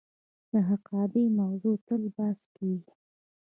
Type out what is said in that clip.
د حقابې موضوع تل بحث کیږي.